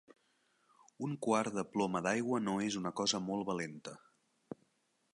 Un quart de ploma d'aigua no és una cosa molt valenta